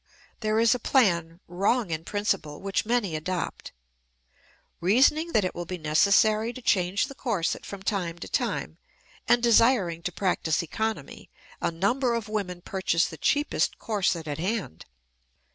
There is a plan, wrong in principle, which many adopt. Reasoning that it will be necessary to change the corset from time to time, and desiring to practice economy, a number of women purchase the cheapest corset at hand.